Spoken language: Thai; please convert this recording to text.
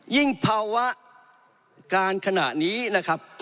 ภาวะการขณะนี้นะครับ